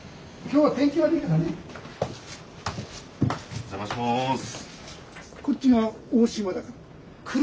お邪魔します。